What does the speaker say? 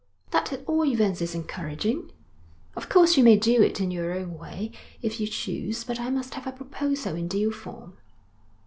'That at all events is encouraging.' 'Of course you may do it in your own way if you choose. But I must have a proposal in due form.'